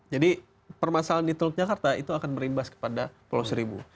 jadi permasalahan di teluk jakarta itu akan berimbas kepada pulau seribu